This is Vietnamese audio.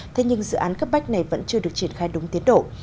thế nhưng dự án cấp bách này vẫn chưa được triển khai đúng tiến độ